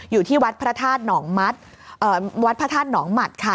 อยู่ที่วัดพระธาตุหนองมัดวัดพระธาตุหนองหมัดค่ะ